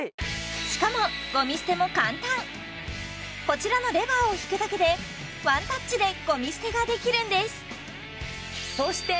しかもゴミ捨ても簡単こちらのレバーを引くだけでワンタッチでゴミ捨てができるんです